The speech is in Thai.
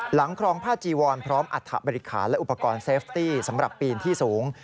ครองผ้าจีวอนพร้อมอัฐบริคารและอุปกรณ์เซฟตี้สำหรับปีนที่สูง